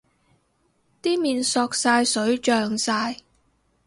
啲麵索晒水脹晒